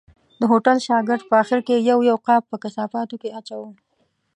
د هوټل شاګرد په آخر کې یو یو قاب په کثافاتو اچاوه.